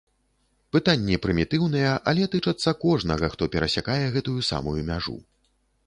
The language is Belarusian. Пытанні прымітыўныя, але тычацца кожнага, хто перасякае гэтую самую мяжу.